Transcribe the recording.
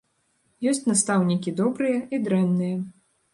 Ёсць настаўнікі добрыя і дрэнныя.